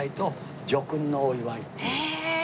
へえ！